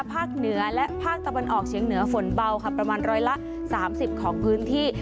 ภาคเหนือและภาคตะวันออกเฉียงเหนือฝนเบาค่ะประมาณร้อยละ๓๐ของพื้นที่